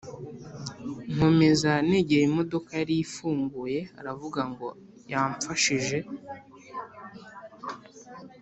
nkomeza negera imodoka yari ifunguye aravuga ngo yamfashije